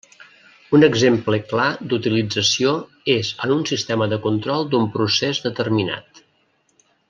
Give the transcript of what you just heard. Un exemple clar d'utilització és en un sistema de control d'un procés determinat.